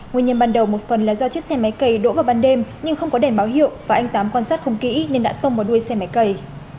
nguyên nhân ban đầu một phần là do chiếc xe máy cầy đỗ vào ban đêm nhưng không có đèn báo hiệu và anh tám quan sát không kỹ nên đã tông vào đuôi xe máy cầy